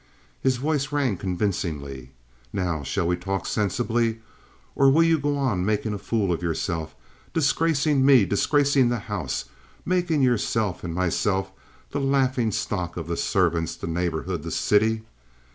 His voice rang convincingly. "Now, shall we talk sensibly, or will you go on making a fool of yourself—disgracing me, disgracing the house, making yourself and myself the laughing stock of the servants, the neighborhood, the city?